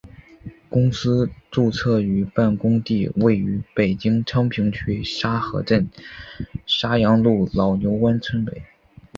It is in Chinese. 公司注册与办公地位于北京市昌平区沙河镇沙阳路老牛湾村北。